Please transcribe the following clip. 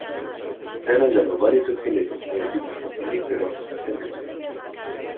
Se han hallado varios esqueletos en el sitio fosilífero de Messel.